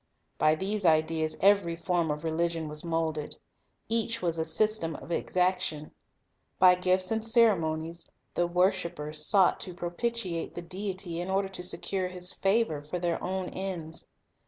By these ideas every form of religion was moulded. Each was a system of exaction. By gifts and ceremonies, the worshipers sought to pro pitiate the Deity, in order to secure His favor for their own ends.